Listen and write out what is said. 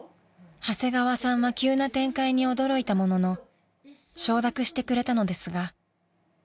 ［長谷川さんは急な展開に驚いたものの承諾してくれたのですが］